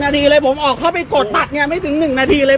นาทีเลยผมออกเข้าไปกดบัตรเนี่ยไม่ถึง๑นาทีเลย